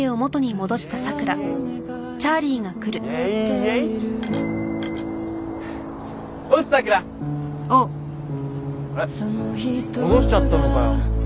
戻しちゃったのかよ。